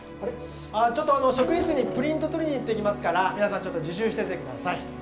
ちょっと職員室にプリント取りに行ってきますから皆さんちょっと自習しててください。